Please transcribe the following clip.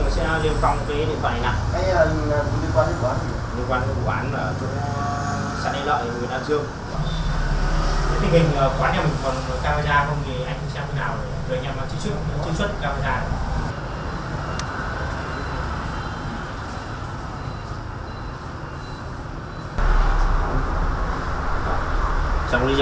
xong rồi bạn đi